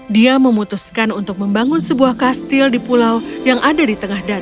dia memutuskan untuk membangun sebuah kastil di pulau ini